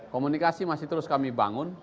ya komunikasi masih terus kami bangun belum putus